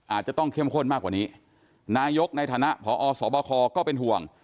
อาจจะต้องเข้มข้นมากกว่านี้นายกในฐานะพอสบคก็เป็นห่วง